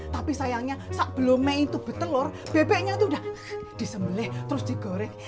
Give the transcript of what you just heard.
tapi sayangnya saat belum mei itu betelor bebeknya itu udah disembelih terus digoreng